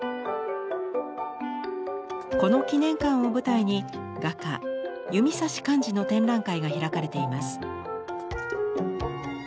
この記念館を舞台に画家弓指寛治の展覧会が開かれています。